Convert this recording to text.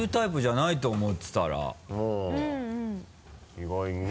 意外にね。